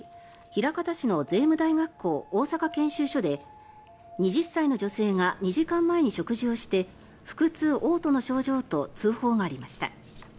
枚方市の税務大学校大阪研修所で２０歳の女性が２時間前に食事をして腹痛・おう吐の症状と通報がありました。